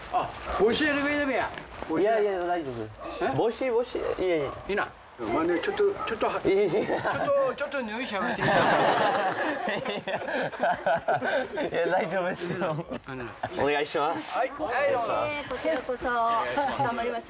お願いします。